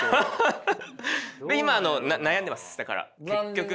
ハハハッ！で今悩んでますだから結局。